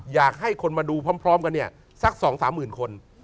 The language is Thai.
อยากให้คนมาดูพร้อมกันเนี่ยสัก๒๓หมื่นคน